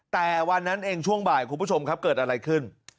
แต่วันนั้นเองช่วงบ่ายคุณผู้ชมครับเกิดอะไรขึ้น